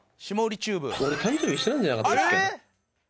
俺誕生日一緒なんじゃなかったっけ？